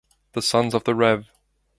The son of the Rev.